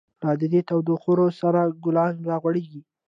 لاددی دتودوخاورو، سره ګلونه راغوړیږی